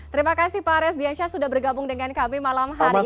terima kasih pak res diansyah sudah bergabung dengan kami malam hari ini